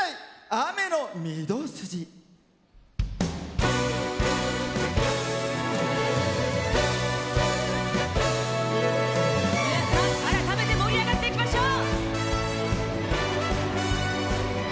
「雨の御堂筋」改めて盛り上がっていきましょう！